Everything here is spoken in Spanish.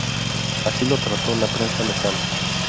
Así lo trató la prensa local